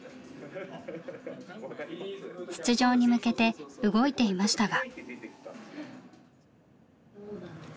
出場に向けて動いていましたが。